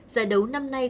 giải đấu năm nay